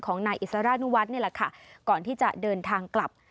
นายอิสรานุวัฒน์นี่แหละค่ะก่อนที่จะเดินทางกลับ